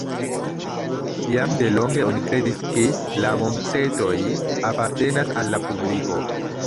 Jam delonge oni kredis, ke la montetoj apartenas al la publiko.